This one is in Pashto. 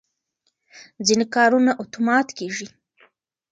ځینې کارونه اتومات کېږي.